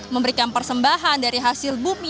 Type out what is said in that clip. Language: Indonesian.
memberikan persembahan dari hasil bumi